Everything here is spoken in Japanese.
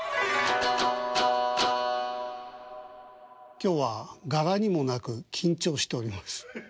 今日は柄にもなく緊張しております。